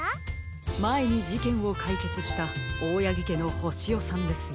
まえにじけんをかいけつしたオオヤギけのホシヨさんですよ。